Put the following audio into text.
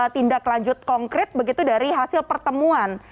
tindak lanjut konkret begitu dari hasil pertemuan